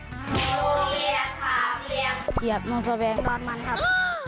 โรงเรียนขามเรียนเขียบโน้นสแบงดอนมันครับ